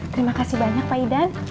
terima kasih banyak pak idan